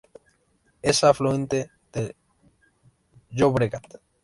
Es afluente del Llobregat.